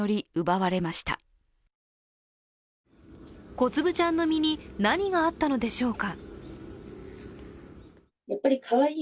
こつぶちゃんの身に何があったのでしょうか？